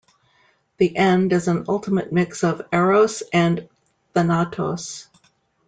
The end is an ultimate mix of eros and thanatos.